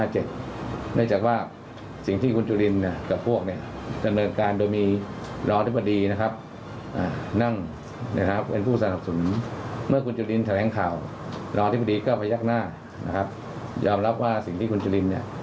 หลังที่พอดีก็ไปยักษ์หน้ายอมรับว่าคุณจุลินเนี่ย